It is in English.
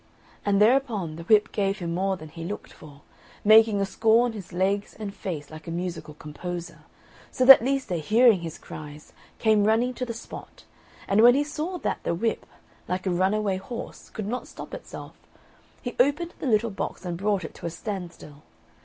and thereupon the whip gave him more than he looked for, making a score on his legs and face like a musical composer, so that Lise, hearing his cries, came running to the spot; and when he saw that the whip, like a runaway horse, could not stop itself, he opened the little box and brought it to a standstill.